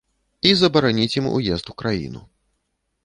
І забараніць ім уезд у краіну.